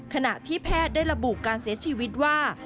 ขณะที่แพทย์ได้ระบุการเสียชีวิตว่า